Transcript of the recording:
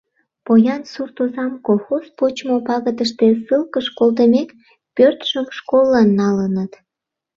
Поян сурт озам колхоз почмо пагытыште ссылкыш колтымек, пӧртшым школлан налыныт.